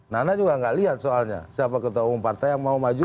nana juga nggak lihat soalnya siapa ketua umum partai yang mau maju